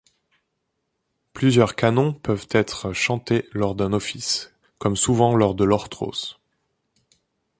Plusieurs canons peuvent être chantés lors d'un office, comme souvent lors de l'orthros.